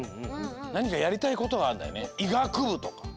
なにかやりたいことがあんだよね。